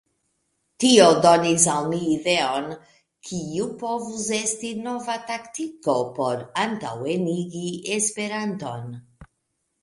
Tio donis al mi ideon, kiu povus esti nova taktiko por antaŭenigi Esperanton.